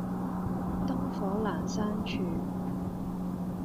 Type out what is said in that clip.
燈火闌珊處